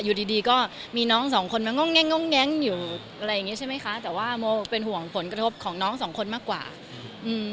อยู่ดีดีก็มีน้องสองคนมาง่องแง้งง่องแง้งอยู่อะไรอย่างเงี้ใช่ไหมคะแต่ว่าโมเป็นห่วงผลกระทบของน้องสองคนมากกว่าอืม